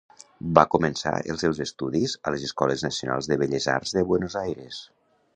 Va començar els seus estudis a les Escoles Nacionals de Belles arts de Buenos Aires.